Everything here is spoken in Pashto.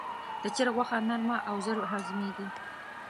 د چرګ غوښه نرم او ژر هضمېږي.